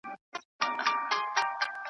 کله کله به یې کور لره تلوار وو .